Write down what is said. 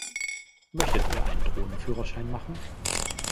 Möchtet ihr einen Drohnenführerschein machen?